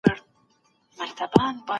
ډاکټر به د ناروغ درملنه وکړي.